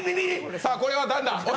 さあ、これは誰だ？